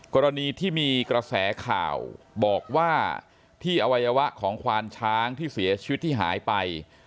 กรณีที่มีกระแสข่าวบอกว่าที่อวัยวะของควานช้างที่เสียชีวิตที่หายไป